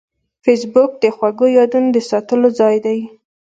فېسبوک د خوږو یادونو د ساتلو ځای دی